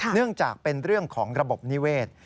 เนื่องจากเป็นเรื่องของระบบนิเวศ